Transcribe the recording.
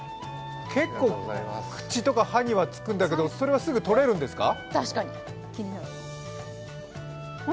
結構口とか歯にはつくんだけど、それはすぐ取れるんですか？